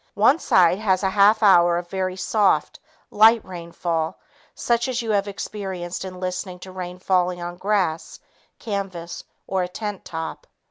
One side has a half hour of very soft, light rainfall such as you have experienced in listening to rain falling on grass, canvas or a tent top.